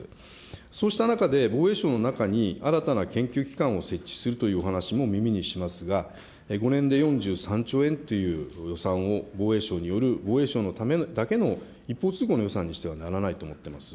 そうした中で防衛省の中に新たな研究機関を設置するというお話も耳にしますが、５年で４３兆円という予算を防衛省による防衛省のためだけの一方通行の予算にしてはならないと思っています。